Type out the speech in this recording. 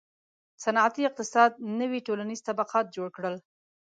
• صنعتي اقتصاد نوي ټولنیز طبقات جوړ کړل.